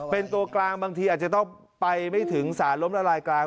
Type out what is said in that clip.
เป็นตัวกลางบางทีอาจจะต้องไปไม่ถึงสารล้มละลายกลาง